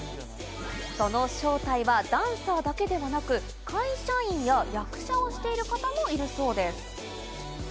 その正体はダンサーだけではなく、会社員や役者をしている方もいるそうです。